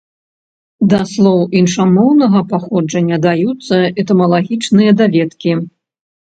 Да слоў іншамоўнага паходжання даюцца этымалагічныя даведкі.